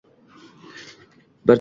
Bir jabhada kelib duch